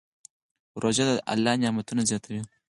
روژه د الله نعمتونه زیاتوي.